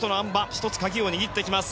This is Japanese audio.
１つ、鍵を握ってきます。